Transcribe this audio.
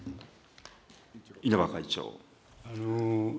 稲葉会長。